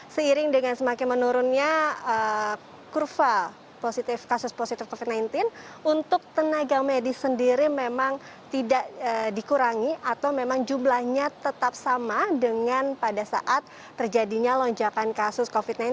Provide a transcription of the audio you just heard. seiring dengan semakin menurunnya kurva positif covid sembilan belas untuk tenaga medis sendiri memang tidak dikurangi atau memang jumlahnya tetap sama dengan pada saat terjadinya lonjakan kasus covid sembilan belas